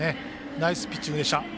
ナイスピッチングでした。